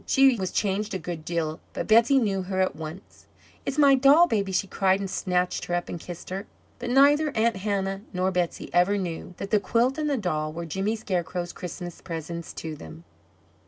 She was changed a good deal, but Betsey knew her at once. "It's my doll baby!" she cried, and snatched her up and kissed her. But neither Aunt Hannah nor Betsey ever knew that the quilt and the doll were Jimmy Scarecrow's Christmas presents to them.